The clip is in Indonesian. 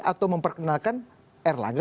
atau memperkenalkan erlangga